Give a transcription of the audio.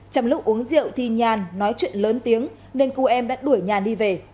trong lúc uống rượu thì nhàn nói chuyện lớn tiếng nên cú em đã đuổi nhàn đi về